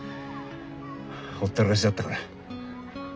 ほったらかしだったから。